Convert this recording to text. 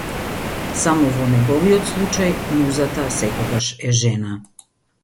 Само во неговиот случај музата секогаш е жена.